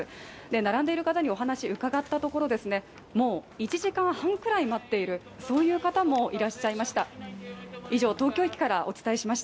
並んでいる方にお話伺ったところですね、もう１週間半くらい待っている、そういう方もいらっしゃいました。